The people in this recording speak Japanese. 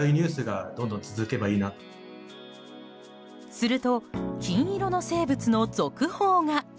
すると、金色の生物の続報が。